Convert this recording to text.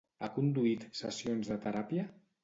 Ha conduït sessions de teràpia?